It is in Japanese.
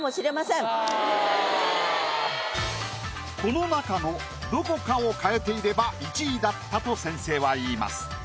この中のどこかを変えていれば１位だったと先生は言います。